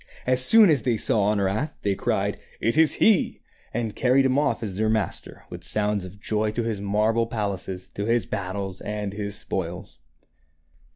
As soon as they saw Honorat, they cried, " It is he !" and carried him off as their master with sounds of joy to his marble palaces, to his battles, and his spoils.